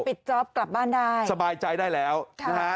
จ๊อปกลับบ้านได้สบายใจได้แล้วนะฮะ